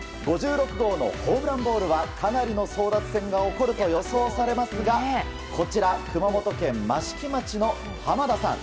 ５６号のホームランボールはかなりの争奪戦が起こると予想されますがこちら、熊本県益城町の濱田さん。